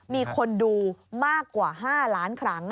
มีคนดูมากกว่า๕ล้านครั้ง